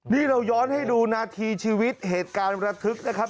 นี่เราย้อนให้ดูนาทีชีวิตเหตุการณ์ระทึกนะครับ